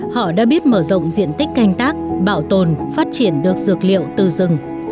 họ đã biết mở rộng diện tích canh tác bảo tồn phát triển được dược liệu từ rừng